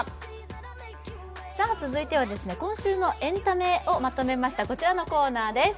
続いては、今週のエンタメをまとめましたこちらのコーナーです。